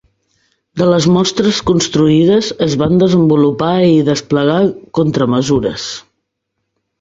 De les mostres construïdes, es van desenvolupar i desplegar contramesures.